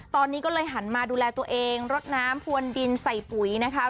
ตอนนี้ก็เลยหันมาดูแลตัวเองรดน้ำพวนดินใส่ปุ๋ยนะคะ